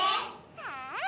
はい！